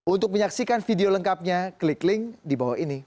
untuk menyaksikan video lengkapnya klik link di bawah ini